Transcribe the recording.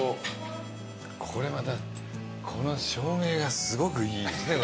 これまたこの照明がすごくいいですね。